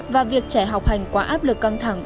và việc trẻ học hành quá áp lực căng thẳng